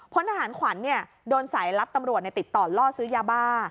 พลทหารขวัญโดนสายลับตำรวจติดต่อล่อซื้อยาบ้า